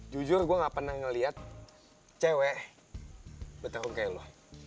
jujur gue gak pernah ngelihat cewek bertarung kayak lo